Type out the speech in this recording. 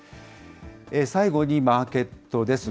最後にマーケットです。